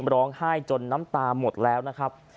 ร้องไห้จนน้ำตาหมดแล้วนะครับ